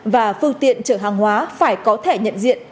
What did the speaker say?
và phương tiện chở hàng hóa phải có thẻ nhận diện